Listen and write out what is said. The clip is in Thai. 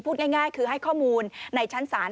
พูดง่ายคือให้ข้อมูลในชั้นศาล